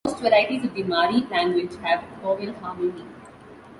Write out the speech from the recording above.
Most varieties of the Mari language have vowel harmony.